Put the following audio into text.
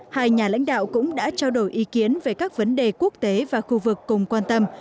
hai nhà lãnh đạo cũng đã trao đổi ý kiến về các vấn đề quốc tế và khu vực cùng quan tâm